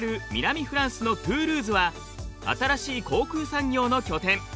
フランスのトゥールーズは新しい航空産業の拠点。